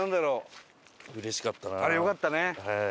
あれよかったね。